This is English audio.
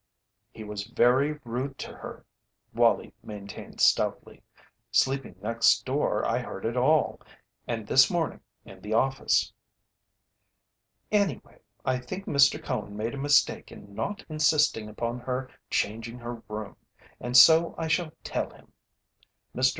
"He was very rude to her," Wallie maintained stoutly. "Sleeping next door, I heard it all and this morning in the office." "Anyway, I think Mr. Cone made a mistake in not insisting upon her changing her room, and so I shall tell him." Mr.